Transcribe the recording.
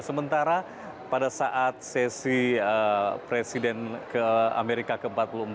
sementara pada saat sesi presiden ke amerika ke empat puluh empat